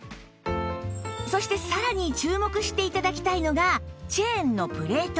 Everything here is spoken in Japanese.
そしてさらに注目して頂きたいのがチェーンのプレート